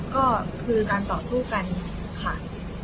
ก็คือการต่อสู้กันค่ะ